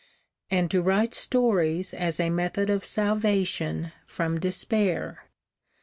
And to write stories as a method of salvation from despair.